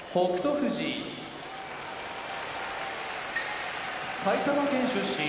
富士埼玉県出身